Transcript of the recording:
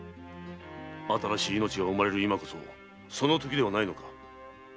新しい命が生まれる今こそそのときではないのか。